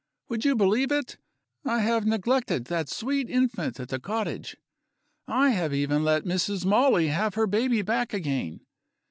Would you believe it? I have neglected that sweet infant at the cottage; I have even let Mrs. Molly have her baby back again.